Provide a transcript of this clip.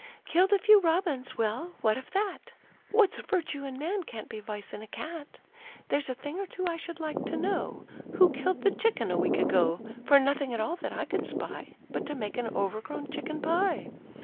"Killed a few robins; well, what of that? What's virtue in man can't be vice in a cat. There's a thing or two I should like to know, Who killed the chicken a week ago, For nothing at all that I could spy, But to make an overgrown chicken pie?